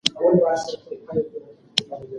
ځینې د نوم او کار یادونه کوي.